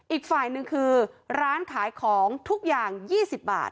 อีกฝ่ายหนึ่งคือร้านขายของทุกอย่าง๒๐บาท